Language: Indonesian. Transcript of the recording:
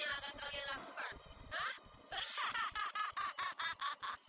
apa lagi yang akan kalian lakukan